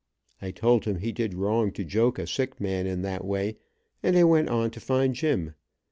I told him he did wrong to joke a sick man that way, and I went on to find Jim.